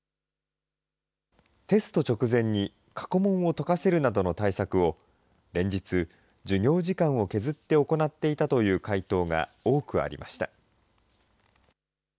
テスト直前に過去問を解かせるなどの対策を、連日、授業時間を削って行っていたという回答が多くありました。